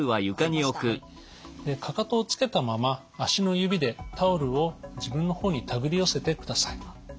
かかとをつけたまま足の指でタオルを自分の方にたぐり寄せてください。